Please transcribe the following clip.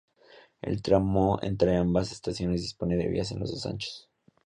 El tramo entre ambas estaciones dispone de vías en los dos anchos.